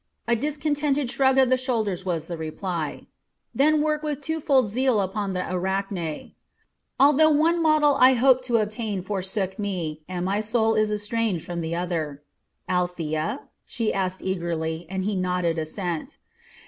A discontented shrug of the shoulders was the reply. "Then work with twofold zeal upon the Arachne." "Although one model I hoped to obtain forsook me, and my soul is estranged from the other." "Althea?" she asked eagerly, and he nodded assent.